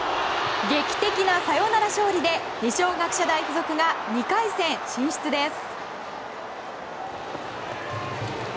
劇的なサヨナラ勝利で二松学舎大附属が２回戦進出です。